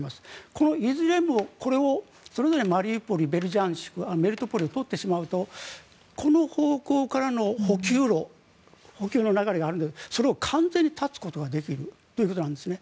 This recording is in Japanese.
このいずれもそれぞれマリウポリ、ベルジャンシクメリトポリを取ってしまうとこの方向からの補給路補給の流れがあるんですがそれを完全に断つことができるということなんですね。